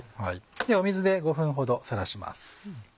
水で５分ほどさらします。